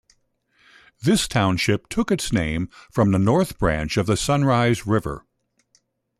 This township took its name from the north branch of the Sunrise River.